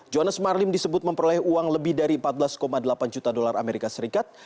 johannes marlim disebut memperoleh uang lebih dari empat belas delapan juta dolar amerika serikat